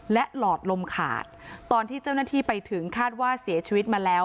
และหลอดลมขาดตอนที่เจ้าหน้าที่ไปถึงคาดว่าเสียชีวิตมาแล้ว